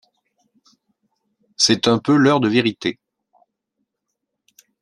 C’est un peu l’heure de vérité.